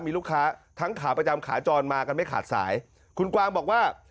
มีลูกค้าทั้งขาประจำขาจรมากันไม่ขาดสายคุณกวางบอกว่า